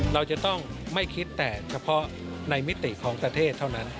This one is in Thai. เราจะต้องไม่คิดแต่เฉพาะในมิติของประเทศเท่านั้น